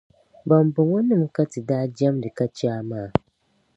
Bambɔŋɔnima ka ti daa jamdi ka che a maa.